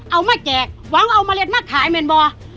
เอามาแจกหวังเอาเมล็ดมาขายเมนบ่